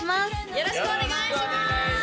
よろしくお願いします